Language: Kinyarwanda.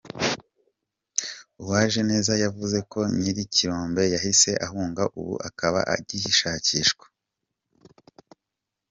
Uwajeneza yavuze ko nyir’ikirombe yahise ahunga ubu akaba agishakishwa.